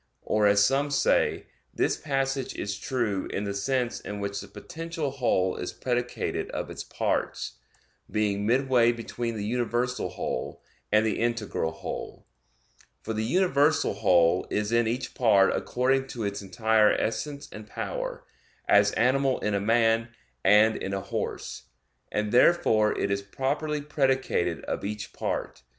Or, as some say, this passage is true in the sense in which the potential whole is predicated of its parts, being midway between the universal whole, and the integral whole. For the universal whole is in each part according to its entire essence and power; as animal in a man and in a horse; and therefore it is properly predicated of each part.